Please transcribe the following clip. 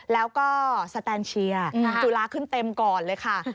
แล้วก็สแตนเชียร์จุฬาขึ้นเต็มก่อนเลยค่ะ